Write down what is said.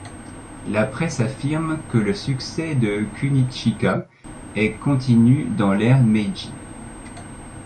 La presse affirme que le succès de Kunichika est continu pendant l'ère Meiji.